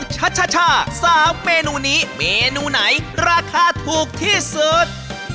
ชัชชา๓เมนูนี้เมนูไหนราคาถูกที่สุด